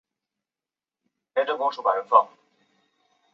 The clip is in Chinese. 尖叶厚壳桂为樟科厚壳桂属下的一个种。